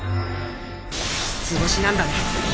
図星なんだね。